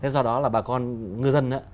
do đó là bà con ngư dân